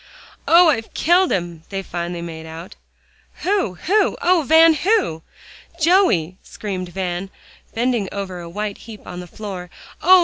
"Oh! I've killed him," they finally made out. "Who who? Oh, Van! who?" "Joey," screamed Van, bending over a white heap on the floor. "Oh!